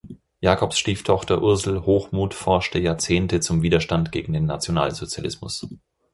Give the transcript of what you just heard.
Jacobs Stieftochter Ursel Hochmuth forschte Jahrzehnte zum Widerstand gegen den Nationalsozialismus.